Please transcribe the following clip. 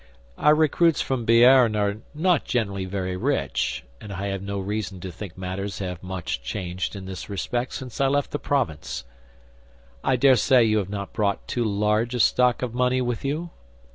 Our recruits from Béarn are not generally very rich, and I have no reason to think matters have much changed in this respect since I left the province. I dare say you have not brought too large a stock of money with you?"